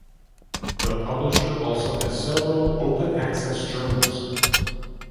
The publisher also has several open access journals.